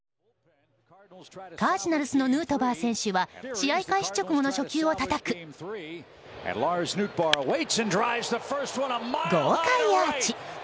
カージナルスのヌートバー選手は試合開始直後の初球をたたく豪快アーチ！